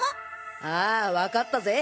ああわかったぜ。